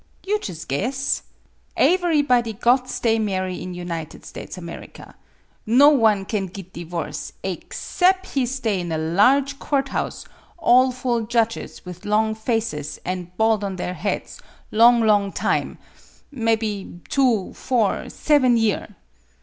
You jus' guess. Aeverybody got stay marry at United States America. No one can git divorce, aexcep' he stay in a large court house, all full judges with long faces, an' bald on their heads, long, longtime; mebby two four seven year!